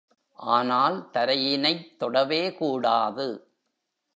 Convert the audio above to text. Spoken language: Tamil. ஆனால் தரையினைத் தொடவே கூடாது.